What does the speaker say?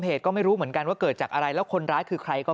ก็ไม่รู้เหมือนกันว่าเกิดจากอะไรแล้วคนร้ายคือใครก็